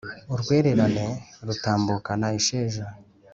Urwererana rutambukana isheja,